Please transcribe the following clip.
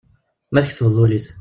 Ma tkesbeḍ ul-is.